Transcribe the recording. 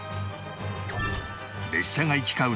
列車が行き交う